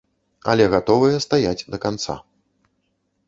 Але гатовыя стаяць да канца.